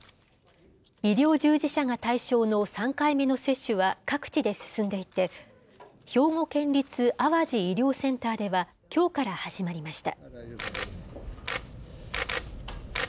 医療従事者が対象の３回目の接種は各地で進んでいて、兵庫県立淡路医療センターでは、きょうから始まりました。